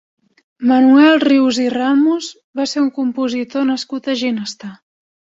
Manuel Rius i Ramos va ser un compositor nascut a Ginestar.